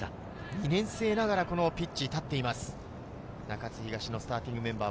２年生ながらピッチに立っています、中津東のスターティングメンバー。